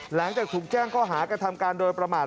หลังจากถูกแจ้งข้อหากระทำการโดยประมาท